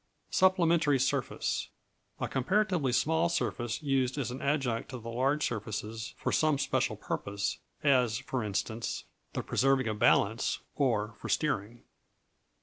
Supplementary Surface A comparatively small surface used as an adjunct to the large surfaces for some special purpose; as, for instance, the preserving of balance, or for steering.